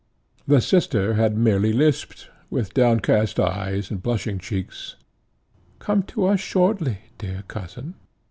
The sister had merely lisped, with downcast eyes and blushing cheeks, "Come to us shortly, dear cousin."